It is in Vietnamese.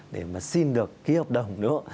để mà xin được ký hợp đồng nữa